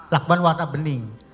lakban warna bening